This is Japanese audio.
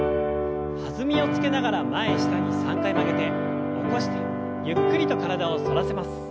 弾みをつけながら前下に３回曲げて起こしてゆっくりと体を反らせます。